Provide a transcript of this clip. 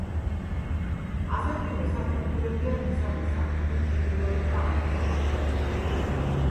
ასეთივე სათოფურებია მესამე სართულის ჩრდილოეთ და აღმოსავლეთ კედელში.